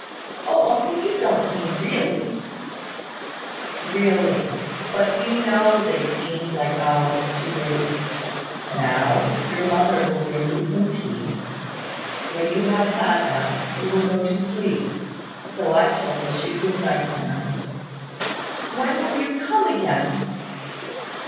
"Oh, uncle, you don't mean really?" "Really: but we know they seemed like hours to you. Now, your mother will bring you some tea. When you have had that, you will go to sleep: so I shall wish you good night now." "When will you come again?"